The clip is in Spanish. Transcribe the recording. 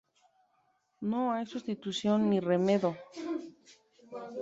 No hay substitución ni remedo.